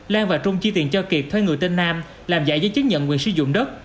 lan và trung chi tiền cho kiệt thuê người tên nam làm giải giấy chứng nhận quyền sử dụng đất